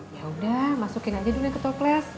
ya udah masukin aja dulu yang ketokles